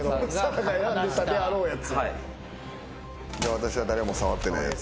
私は誰も触ってないやつ。